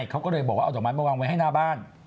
เขาก็เลยบอกว่าเอาดอกไม้มาวางไว้ให้หน้าบ้าน